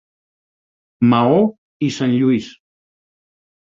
Maó i Sant Lluís.